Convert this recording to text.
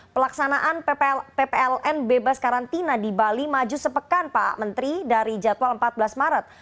pelaksanaan ppln bebas karantina di bali maju sepekan pak menteri dari jadwal empat belas maret